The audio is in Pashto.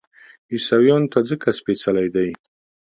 عیسویانو ته ځکه سپېڅلی دی.